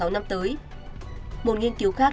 sáu năm tới một nghiên cứu khác